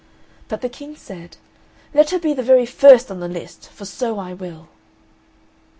But the King said, "Let her be the very first on the list, for so I will."